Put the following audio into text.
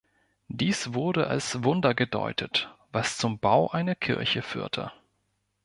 Dies wurde als Wunder gedeutet, was zum Bau einer Kirche führte.